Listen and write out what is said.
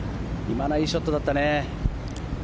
今のはいいショットだったよね。